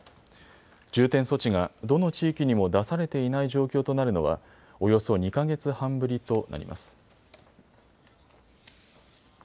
重点措置がどの地域にも出されていない状況となるのはおよそ２か月半ぶりとなります。